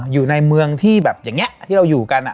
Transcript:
อยู่ในเมืองที่แบบอย่างนี้ที่เราอยู่กัน